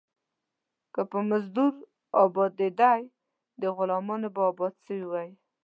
که په مزدور ابآتيدلاى ، ده غلامان به ابات سوي واى.